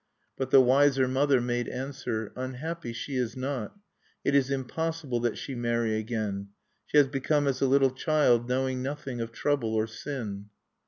But the wiser mother made answer: "Unhappy she is not. It is impossible that she marry again. She has become as a little child, knowing nothing of trouble or sin."